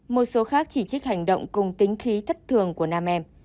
một số khác chỉ trích hành động cùng tính khí thất thường của nam em